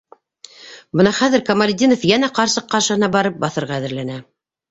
Бына хәҙер Камалетдинов йәнә ҡарсыҡ ҡаршыһына барып баҫырға әҙерләнә.